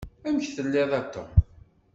Amek telliḍ a Tom?